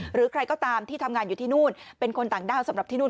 หรือใครก็ตามที่ทำงานอยู่ที่นู่นเป็นคนต่างด้าวสำหรับที่นู่น